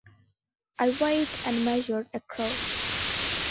It weighed and measured across.